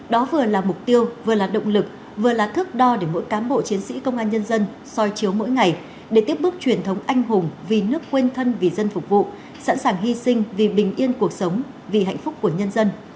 đó vừa là mục tiêu vừa là động lực vừa là thước đo để mỗi cám bộ chiến sĩ công an nhân dân soi chiếu mỗi ngày để tiếp bước truyền thống anh hùng vì nước quên thân vì dân phục vụ sẵn sàng hy sinh vì bình yên cuộc sống vì hạnh phúc của nhân dân